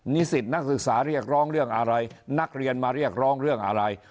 นิสิตนักศึกษาเรียกร้องเรื่องอะไรนักเรียนมาเรียกร้องเรื่องอะไร